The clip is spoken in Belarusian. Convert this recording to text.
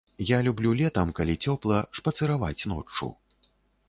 Я люблю летам, калі цёпла, шпацыраваць ноччу.